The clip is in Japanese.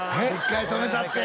１回止めたって